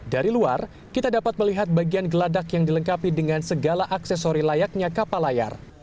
dari luar kita dapat melihat bagian geladak yang dilengkapi dengan segala aksesori layaknya kapal layar